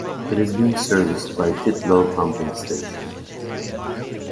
It is being serviced by Titlow pumping station.